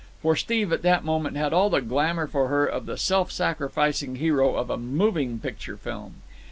For Steve at that moment had all the glamour for her of the self sacrificing hero of a moving picture film.